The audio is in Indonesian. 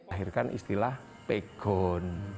akhirnya istilah pegon